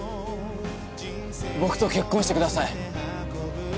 僕と結婚してください。